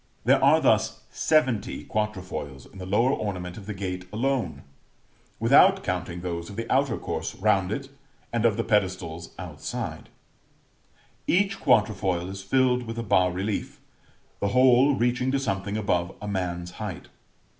There are thus seventy quatrefoils in the lower ornament of the gate alone, without counting those of the outer course round it, and of the pedestals outside: each quatrefoil is filled with a bas relief, the whole reaching to something above a man's height.